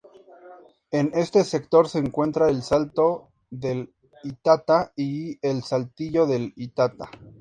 En este sector se encuentra el salto del Itata y el Saltillo del Itata.